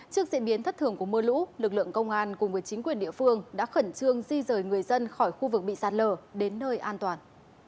trước diễn biến thất thường của mưa lũ lực lượng công an cùng với chính quyền địa phương đã khẩn trương di rời người dân khỏi khu vực bị sạt lở đến nơi an toàn